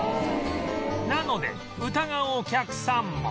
なので疑うお客さんも